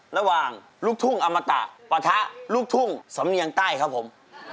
ลูกทุ่งอมตะปะทะลูกทุ่งสำเนียงใต้ครับผม